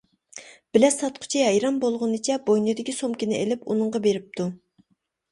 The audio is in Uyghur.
بېلەت ساتقۇچى ھەيران بولغىنىچە بوينىدىكى سومكىنى ئېلىپ ئۇنىڭغا بېرىپتۇ.